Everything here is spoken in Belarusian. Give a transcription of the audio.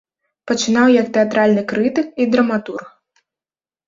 Пачынаў як тэатральны крытык і драматург.